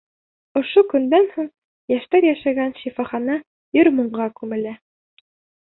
Ошо көндән һуң йәштәр йәшәгән шифахана йыр-моңға күмелә.